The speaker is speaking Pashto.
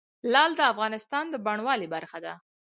لعل د افغانستان د بڼوالۍ برخه ده.